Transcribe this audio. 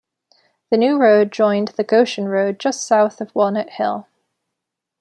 The new road joined the Goshen Road just south of Walnut Hill.